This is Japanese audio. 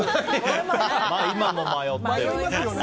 今も迷ってる。